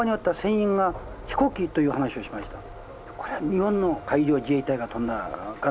これは日本の海上自衛隊が飛んだのかな